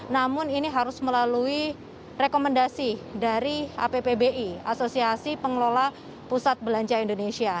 namun ini harus melalui rekomendasi dari appbi asosiasi pengelola pusat belanja indonesia